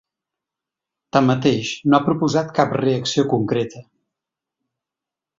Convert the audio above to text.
Tanmateix, no ha proposat cap reacció concreta.